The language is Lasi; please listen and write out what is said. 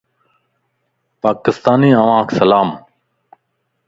پاڪستاني اوھانک سلام